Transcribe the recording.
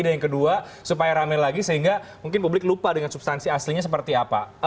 dan yang kedua supaya ramai lagi sehingga mungkin publik lupa dengan substansi aslinya seperti apa